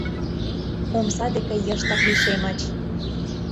Омса деке йыштак лишемыч.